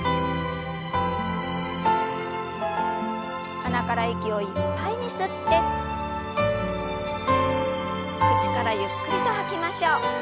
鼻から息をいっぱいに吸って口からゆっくりと吐きましょう。